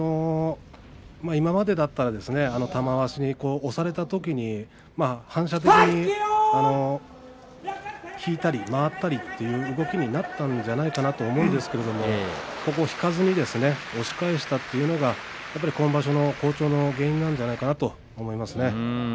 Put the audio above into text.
今までだったら玉鷲に押されたときに反射的に引いたり回ったりという動きになったんじゃないかなと思うんですが引かずに、押し返したというのは今場所の好調の原因なんじゃないかなと思います。